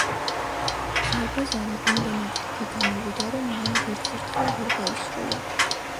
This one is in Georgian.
ზარბაზანი იმდენად დიდი გამოვიდა, რომ მან ვერც ერთხელ ვერ გაისროლა.